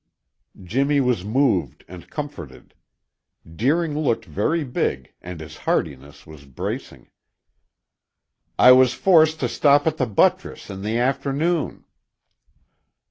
Jimmy was moved and comforted. Deering looked very big and his heartiness was bracing. "I was forced to stop at the buttress in the afternoon."